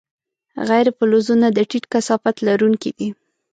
غیر فلزونه د ټیټ کثافت لرونکي دي.